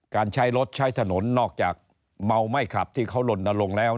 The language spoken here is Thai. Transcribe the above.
การใช้รถใช้ถนนนอกจากเมาไม่ขับที่เขาลนลงแล้ว